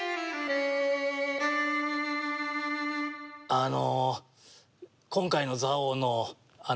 あの。